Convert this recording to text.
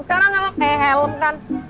sekarang kalo ke helm kan